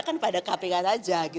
kan pada kpk saja